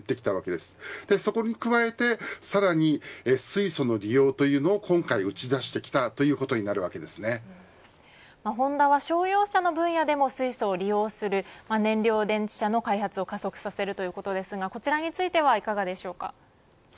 さらに、そこに加えてさらに水素の利用というのも今回打ち出してきたということにホンダは、商用車の分野でも水素を利用する燃料電池車の開発を加速させるということですがこちらについてはいかがでしょうか。